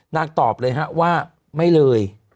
นางตอบเลยว่าไม่เลย